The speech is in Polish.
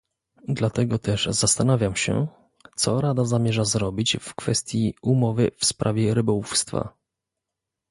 Dlatego też zastanawiam się, co Rada zamierza zrobić w kwestii umowy w sprawie rybołówstwa